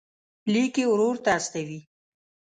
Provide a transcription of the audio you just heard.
لیک یې ورور ته استوي.